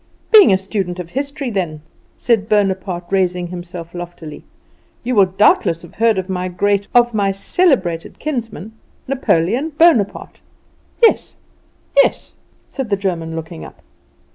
"Being a student of history then," said Bonaparte, raising himself loftily, "you will doubtless have heard of my great, of my celebrated kinsman, Napoleon Bonaparte?" "Yes, yes," said the German, looking up.